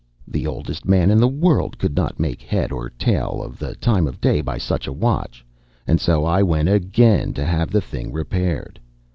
The oldest man in the world could not make head or tail of the time of day by such a watch, and so I went again to have the thing repaired.